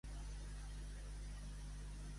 Feminitat convencional i tria lingüística.